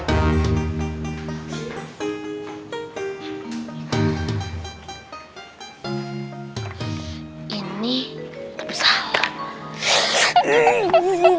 yang jadi cendana